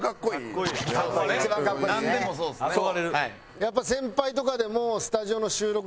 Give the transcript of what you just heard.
やっぱり先輩とかでも。